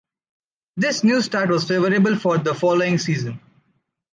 This new start was favorable for the following season.